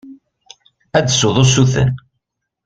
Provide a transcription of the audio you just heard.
Ad d-tessuḍ usuten.